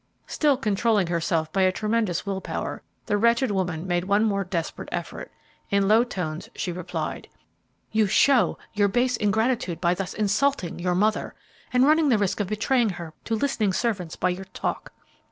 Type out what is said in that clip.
Still controlling herself by a tremendous will power, the wretched woman made one more desperate effort. In low tones she replied, "You show your base ingratitude by thus insulting your mother and running the risk of betraying her to listening servants by your talk.